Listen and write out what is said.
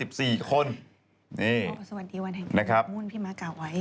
โอ้สวัสดีวันแห่งการประวุณพี่มะกล่าวไว้